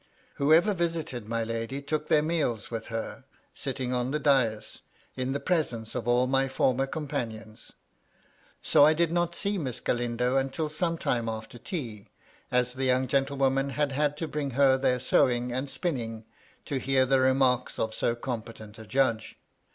Whoever visited my lady took their meals with her, sitting on the dais, in the presence of all my former companions. So I did not see Miss Galindo until some time after tea ; as the young gentlewomen had had to bring her their sewing and spinning, to hear the remarks MY LADY LUDLOW. 211 of SO competent a judge.